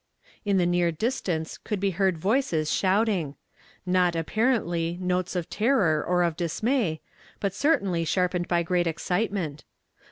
In the near distance could be heard voices shout ing, — not, apparently, notes of terror or of dis may, but certainly sharpened by great excitement.